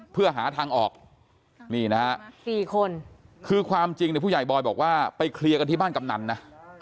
เพื่อหาทางออกนี่นะฮะ๔คนคือความจริงเนี่ยผู้ใหญ่บอยบอกว่าไปเคลียร์กันที่บ้านกำนันนะ